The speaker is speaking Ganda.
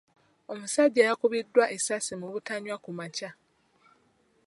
Omusajja yakubiddwa essasi mu butanwa kumakya.